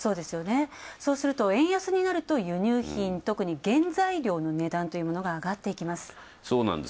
そうすると、円安になると輸入品、特に原材料の値段が上がっていきます。